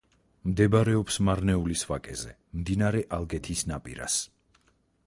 მდებარეობს მარნეულის ვაკეზე, მდინარე ალგეთის ნაპირას.